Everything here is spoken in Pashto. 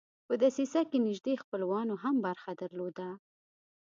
په دسیسه کې نیژدې خپلوانو هم برخه درلوده.